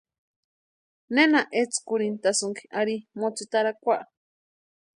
Nena etskurhintʼasïnki ari mótsitarakwa.